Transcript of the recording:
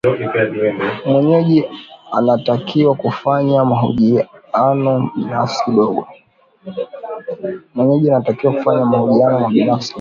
mwenyeji anatakiwa kufanya mahojiano binafsi kidogo